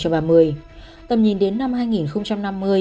phát triển hạ tầng chữa cháy đồng bộ